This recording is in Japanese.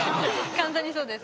完全にそうです。